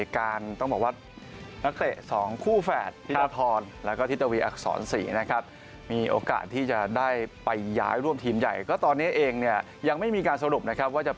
ก็จากกรณีการต้องบอกว่า